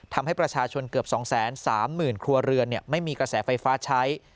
ทำให้ประชาชนเกือบ๒๓๐๐๐ครัวเรือนไม่มีกระแสไฟฟ้าใช้